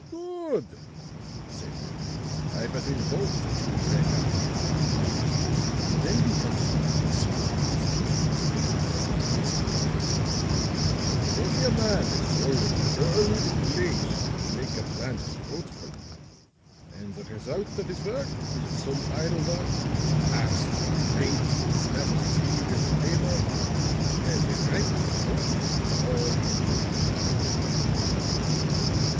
"Good," said he. "I was in hopes that you would wake up." Then he went on in a sort of musing tone, but with dancing eyes: "Many a man has toiled early and late to make a plant fruitful; and the result of his work is that some idle one, who laughs and drinks and snaps his fingers at labor, has the ripened fruit fall into his lap."